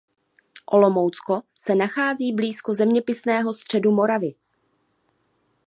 Olomoucko se nachází blízko zeměpisného středu Moravy.